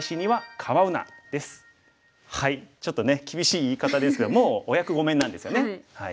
ちょっとね厳しい言い方ですがもうお役御免なんですよね。